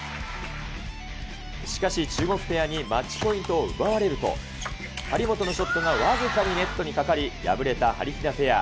しかし、中国ペアにマッチポイントを奪われると、張本のショットが僅かにネットにかかり、敗れたはりひなペア。